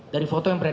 dari foto yang beredar